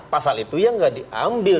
pasal itu ya nggak diambil